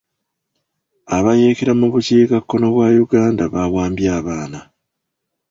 Abayeekera mu bukiikakkono bwa Uganda baawambye abaana.